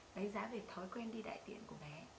đánh giá về thói quen đi đại tiện của bé